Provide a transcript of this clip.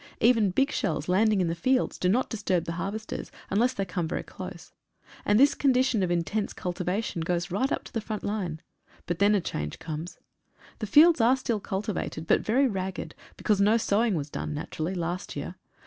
Even big shells landing in the fields do not disturb the harvesters unless they come very close, and this condition of intense cultivation goes on right up to the front line, but then a change comes. The fields are still cultivated, but very ragged, because no sowing was done, naturally, last year.